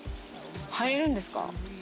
入れるんですか？